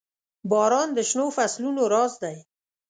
• باران د شنو فصلونو راز دی.